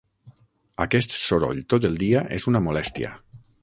Aquest soroll tot el dia és una molèstia.